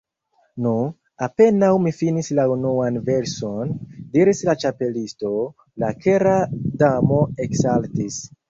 "Nu, apenaŭ mi finis la unuan verson," diris la Ĉapelisto, "la Kera Damo eksaltis. »